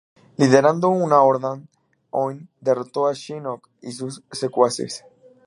Liderando una horda oni, derrotó a Shinnok y sus secuaces.